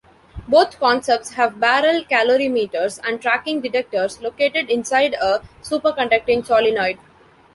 Both concepts have barrel calorimeters and tracking detectors located inside a superconducting solenoid.